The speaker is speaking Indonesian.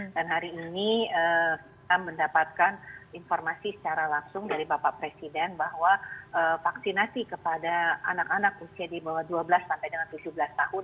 dan hari ini kami mendapatkan informasi secara langsung dari bapak presiden bahwa vaksinasi kepada anak anak usia di bawah dua belas sampai dengan tujuh belas tahun